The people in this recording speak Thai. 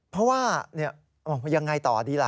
เพราะว่ายังไงต่อดีล่ะ